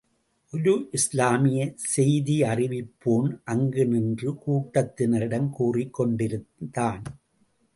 ஒரு இஸ்லாமிய செய்தியறிவிப்போன், அங்கே நின்று கூட்டத்தினரிடம் கூறிக் கொண்டிருந்தான்.